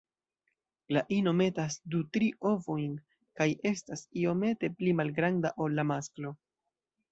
La ino metas du-tri ovojn kaj estas iomete pli malgranda ol la masklo.